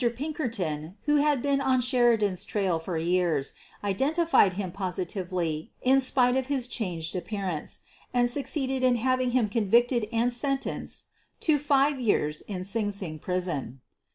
Pinkerton, who had been on Sheridan's trail for years, identi fied him positively in spite of his changed appear ance, and succeeded in having him convicted and sentenced to five years in Sing Sing prison.